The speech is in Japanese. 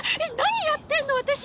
何やってんの私！